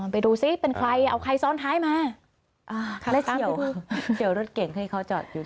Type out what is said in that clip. ไปดูซิเป็นใครเอาใครซ้อนท้ายมาอ่าและเจ๋วเจ๋วรถเก่งให้เขาจอดอยู่ด้วย